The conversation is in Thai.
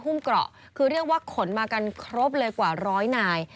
ุ่มเกราะคือเรียกว่าขนมากันครบเลยกว่าร้อยนาย